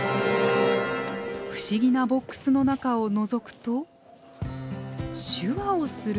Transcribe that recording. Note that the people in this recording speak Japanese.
不思議なボックスの中をのぞくと手話をする女性が。